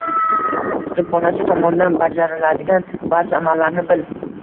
Kutubxonachi tomonidan bajariladigan barcha amallarni bil.